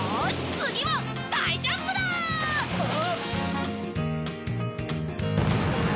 次は大ジャンプだ！わあ。